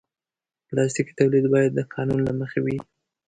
پلاستيکي تولید باید د قانون له مخې وي.